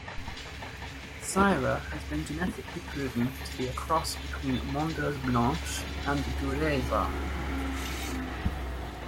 Syrah has been genetically proven to be a cross between Mondeuse Blanche and Dureza.